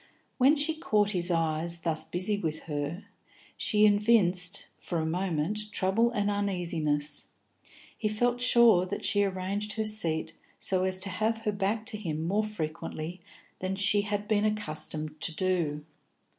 When she caught his eyes thus busy with her, she evinced, for a moment, trouble and uneasiness; he felt sure that she arranged her seat so as to have her back to him more frequently than she had been accustomed to do.